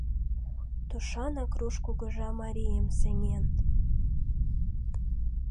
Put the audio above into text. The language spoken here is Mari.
Тушанак руш кугыжа марийым сеҥен.